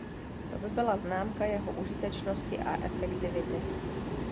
To by byla známka jeho užitečnosti a efektivity.